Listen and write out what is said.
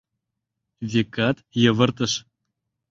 Векат, йывыртыш.